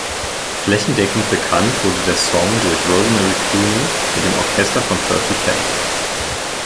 Flächendeckend bekannt wurde der Song durch Rosemary Clooney mit dem Orchester von Percy Faith.